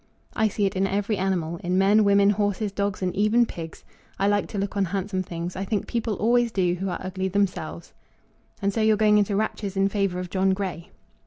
"I see it in every animal in men, women, horses, dogs, and even pigs. I like to look on handsome things. I think people always do who are ugly themselves." "And so you're going into raptures in favour of John Grey."